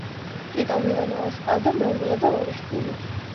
ტიტო ვილანოვას ჰყავდა მეუღლე და ორი შვილი.